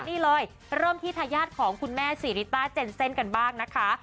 นี่เลยเริ่มที่ทายาทของคุณแม่ศรีริต้าเจนเซ่นกันบ้างนะคะ